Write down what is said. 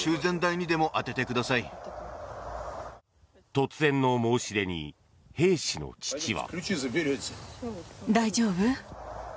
突然の申し出に兵士の父は。